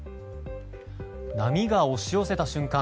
波が押し寄せた瞬間